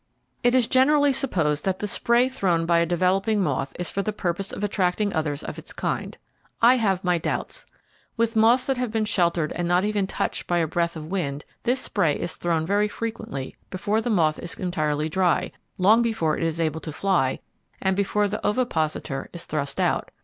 It is generally supposed that the spray thrown by a developing moth is for the purpose of attracting others of its kind. I have my doubts. With moths that have been sheltered and not even touched by a breath of wind, this spray is thrown very frequently before the moth is entirely dry, long before it is able to fly and before the ovipositor is thrust out.